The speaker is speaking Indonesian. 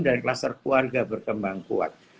dan kluster keluarga berkembang kuat